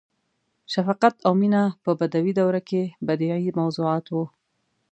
• شفقت او مینه په بدوي دوره کې بدیعي موضوعات وو.